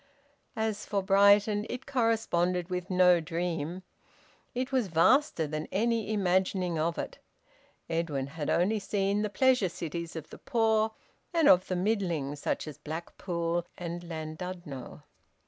As for Brighton, it corresponded with no dream. It was vaster than any imagining of it. Edwin had only seen the pleasure cities of the poor and of the middling, such as Blackpool and Llandudno.